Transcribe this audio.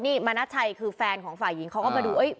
นี่มานาชัยคือแฟนของฝ่ายหญิงเขาก็ไปดูเอ้ย